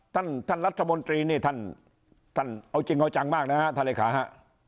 ท่านรัฐบนตรีเนี่ยท่านเอาจริงเอาจังมากนะฮะท่านริขาฮะ